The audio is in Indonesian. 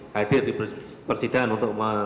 hadir di persidangan untuk